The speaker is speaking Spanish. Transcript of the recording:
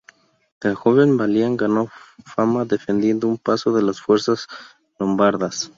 El joven Balián ganó fama defendiendo un paso de las fuerzas lombardas.